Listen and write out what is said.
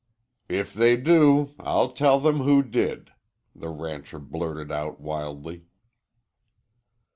"If they do I'll tell 'em who did," the rancher blurted out wildly.